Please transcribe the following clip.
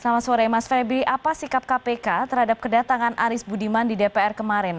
selamat sore mas febri apa sikap kpk terhadap kedatangan aris budiman di dpr kemarin